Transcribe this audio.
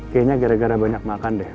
kayaknya gara gara banyak makan deh